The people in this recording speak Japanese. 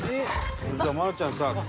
じゃあ愛菜ちゃんさ。